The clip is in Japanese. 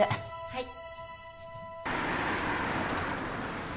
はい。